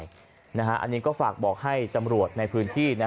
อันนี้ก็ฝากบอกให้ตำรวจในพื้นที่